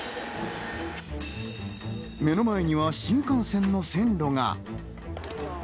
目の前には新幹線の線路が。